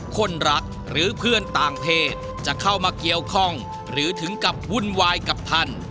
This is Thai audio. คนรักหรือเพื่อนต่างเพศจะเข้ามาเกี่ยวข้องหรือถึงกับวุ่นวายกับท่าน